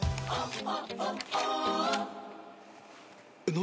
何！？